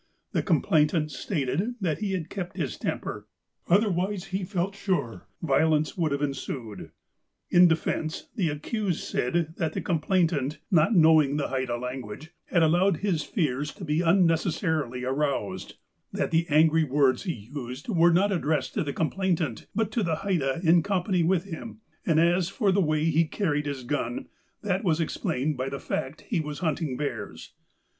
The complainant stated that he kept his temper, otherwise, he felt sure, violence would have ensued. In defence, the accused said, that the complainant, not know A DAY AT METLAKAHTLA 309 ing the Haida language, had allowed his fears to be unneces sarily aroused ;— that the angry words he used were not ad dressed to the complainant, but to the Haida in company with him, — and, as for the way he carried his gun, — that was ex plained by the fact that he was hunting bears.